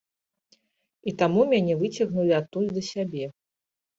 І таму мяне выцягнулі адтуль да сябе.